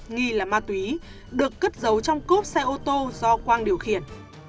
nghi là ma túy được cất giấu trong cốp xe ô tô do quang điều khiển